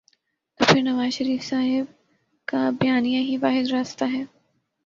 تو پھر نوازشریف صاحب کا بیانیہ ہی واحد راستہ ہے۔